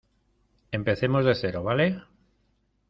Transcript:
empecemos de cero, ¿ vale?